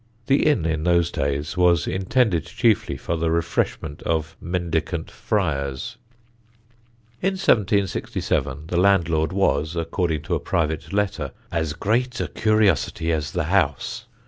The inn in those days was intended chiefly for the refreshment of mendicant friars. In 1767 the landlord was, according to a private letter, "as great a curiosity as the house."